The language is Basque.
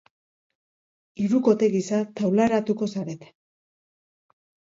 Hirukote gisa taularatuko zarete.